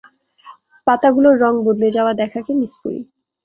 পাতাগুলোর রঙ বদলে যাওয়া দেখাকে মিস করি।